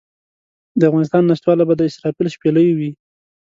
د افغانستان نشتوالی به د اسرافیل شپېلۍ وي.